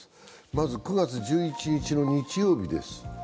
まず９月１１日日曜日です。